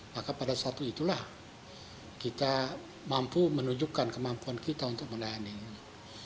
maka pada satu itulah kita mampu menunjukkan kemampuan kita untuk melayani ini